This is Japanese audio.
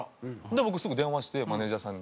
僕すぐ電話してマネジャーさんに。